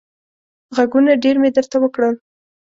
غږونه ډېر مې درته وکړل.